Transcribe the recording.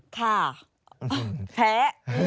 ค่ะแพ้